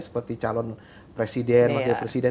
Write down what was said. seperti calon presiden wakil presiden